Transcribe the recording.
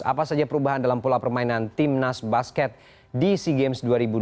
apa saja perubahan dalam pola permainan timnas basket di sea games dua ribu dua puluh